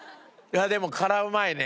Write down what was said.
でも辛うまいね！